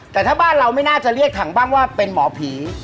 แต่ถ้าบ้านเราไม่น่าจะเรียกถังบ้างว่าเป็นหมอผี